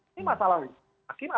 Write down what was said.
ini masalah hakim